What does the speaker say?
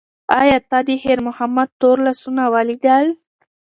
ایا تا د خیر محمد تور لاسونه ولیدل؟